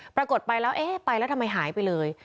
ปรากฏไปแล้วเอ๊ะไปแล้วทำไมหายไปเลย